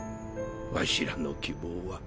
わしらの希望は。